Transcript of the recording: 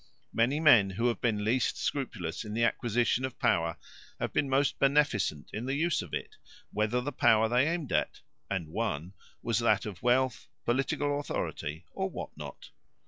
Many men who have been least scrupulous in the acquisition of power have been most beneficent in the use of it, whether the power they aimed at and won was that of wealth, political authority, or what not.